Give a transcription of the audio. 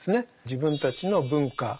自分たちの文化